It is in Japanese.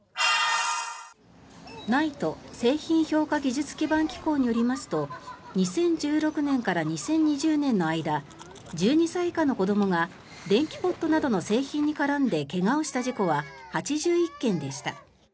ＮＩＴＥ・製品評価技術基盤機構によりますと２０１６年から２０２０年の間１２歳以下の子どもが電気ポットなどの製品に絡んで怪我をした事故は８１件でした。